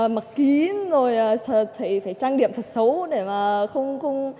mặc kín rồi phải trang điệm thật xấu để mà không